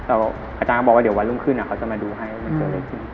แต่อาจารย์บอกว่าเดี๋ยววันรุ่งขึ้นเขาจะมาดูให้มันเกิดอะไรขึ้น